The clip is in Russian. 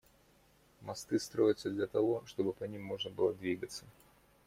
Мосты строятся для того, чтобы по ним можно было двигаться.